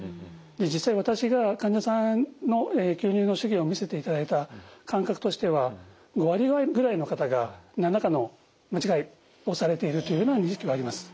実際私が患者さんの吸入の手技を見せていただいた感覚としては５割ぐらいの方が何らかの間違いをされているというような認識はあります。